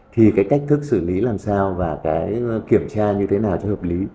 thì cái cách thức xử lý làm sao và cái kiểm tra như thế nào cho hợp lý